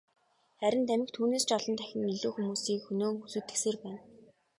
Харин тамхи түүнээс ч олон дахин илүү хүмүүсийг хөнөөн сүйтгэсээр байна.